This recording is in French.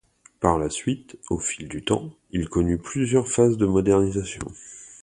Par la suite, au fil du temps, il connut plusieurs phases de modernisation.